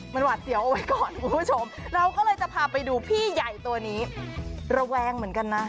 มันหวาดเสียวเอาไว้ก่อนคุณผู้ชมเราก็เลยจะพาไปดูพี่ใหญ่ตัวนี้ระแวงเหมือนกันนะ